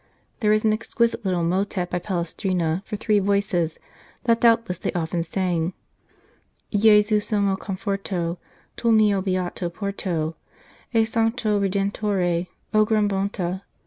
There is an exquisite little motet by Palestrina for three voices that doubtless they often sang :" Gesu, sommo conforto, Tu l mio beato porto E santo Redentore ; O gran bonta